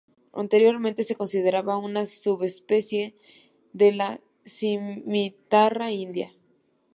Anteriormente se consideraba una subespecie de la cimitarra india.